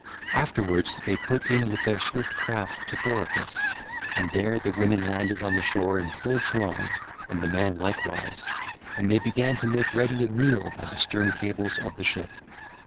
Afterwards they put in with their swift craft to Thoricus, and there the women landed on the shore in full throng and the men likewise, and they began to make ready a meal by the stern cables of the ship.